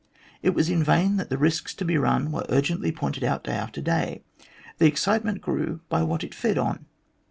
It was in vain that the risks to be run were urgently pointed out day after day. The excitement grew by what it fed on.